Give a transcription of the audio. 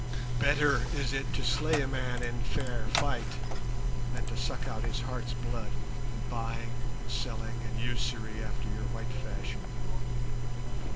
Better is it to slay a man in fair fight than to suck out his heart's blood in buying and selling and usury after your white fashion.